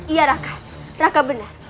iya raka raka benar